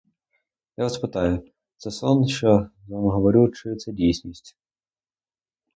Я вас питаю: це сон, що я з вами говорю, чи це дійсність?